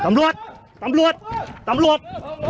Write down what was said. ตำรวจตำรวจตำรวจ